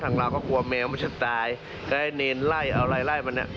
ทางราวก็กลัวแมวมันจะตายก็ให้เนรนไล่เอาไล่ไล่มันเนี่ย